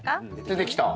出てきた。